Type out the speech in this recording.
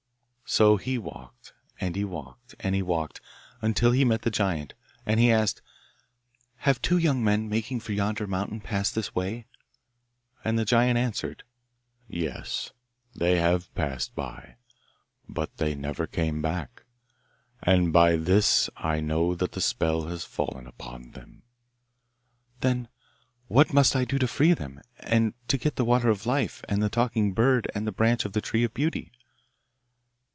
So he walked, and he walked, and he walked, until he met the giant, and he asked, 'Have two young men, making for yonder mountain, passed this way?' And the giant answered, 'Yes, they have passed by, but they never came back, and by this I know that the spell has fallen upon them.' 'Then what must I do to free them, and to get the water of life, and the talking bird, and the branch of the tree of beauty?